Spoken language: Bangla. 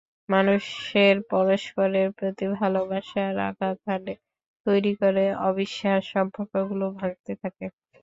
মানুষের পরস্পরের প্রতি ভালোবাসায় আঘাত হানে, তৈরি করে অবিশ্বাস, সম্পর্কগুলো ভাঙতে থাকে।